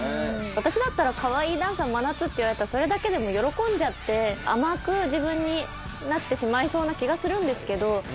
私だったらカワイイダンサー真夏って言われたらそれたけでも喜んじゃって甘く自分になってしまいそうな気がするんですけどそこを。